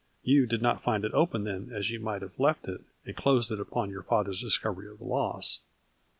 You did not find it open then, as you might have left it, and closed it upon your fathers discovery of the loss